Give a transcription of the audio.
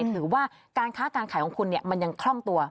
ถือว่าการค้าการขายของคุณมันยังคล่องตัว